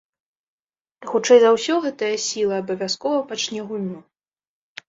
І хутчэй за ўсё гэтая сіла абавязкова пачне гульню.